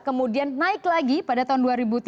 kemudian naik lagi pada tahun dua ribu tiga belas